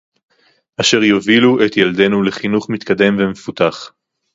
אשר יובילו את ילדינו לחינוך מתקדם ומפותח